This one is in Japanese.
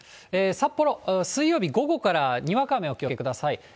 札幌、水曜日、午後からにわか雨お気をつけください。